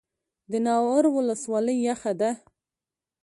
د ناور ولسوالۍ یخه ده